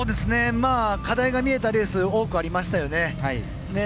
課題が見えたレース多くありましたよね。